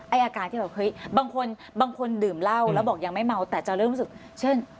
อาการที่บางคนดื่มเหล้าแล้วบอกยังไม่เมาแต่จะเริ่มรู้สึกเช่น